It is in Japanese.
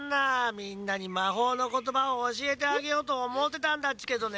みんなにまほうのことばをおしえてあげようとおもってたんだっちけどね。